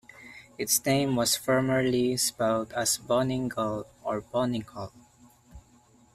Its name was formerly spelt as Boningall or Bonninghall.